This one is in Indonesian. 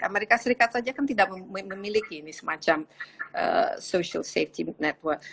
amerika serikat saja kan tidak memiliki ini semacam social safety network